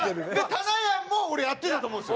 たなやんも俺やってたと思うんですよ。